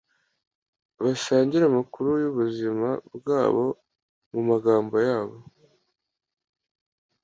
basangire amakuru yubuzima bwabo mumagambo yabo